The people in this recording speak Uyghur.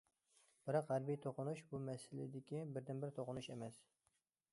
بىراق ھەربىي توقۇنۇش بۇ مەسىلىدىكى بىردىنبىر توقۇنۇش ئەمەس.